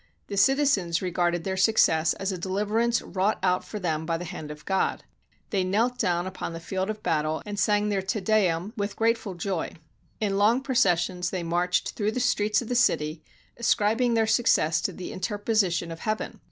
The citizens regarded their success as a deliverance wrought out for them by the hand of God. They knelt down upon the field of battle, and sang their Te Deum with grateful joy. In long processions they marched through the streets of the city, ascribing their success to the interposition of Heaven.